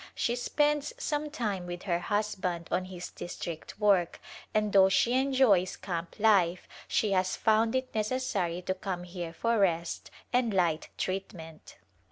She spends some time with her husband on his district work and, though she enjoys camp life, she has found it neces sary to come here for rest and light treatment.